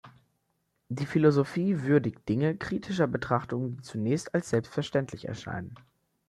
Die Philosophie würdigt Dinge kritischer Betrachtung, die zunächst als selbstverständlich erscheinen.